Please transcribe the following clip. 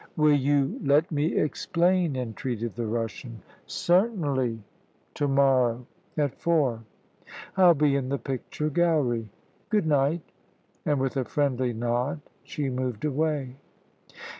"Will you let me explain?" entreated the Russian. "Certainly to morrow, at four. Ill be in the picture gallery. Good night"; and with a friendly nod she moved away.